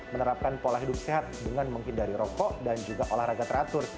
menerapkan pola hidup sehat dengan menghindari rokok dan juga olahraga teratur